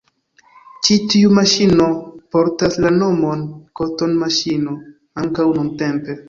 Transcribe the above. Ĉi tiu maŝino portas la nomon “cotton-maŝino” ankaŭ nuntempe.